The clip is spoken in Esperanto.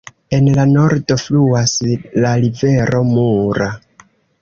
En la nordo fluas la rivero Mura.